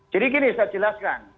jadi gini saya jelaskan